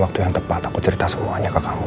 waktu yang tepat aku cerita semuanya ke kamu